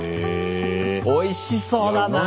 おいしそうだな！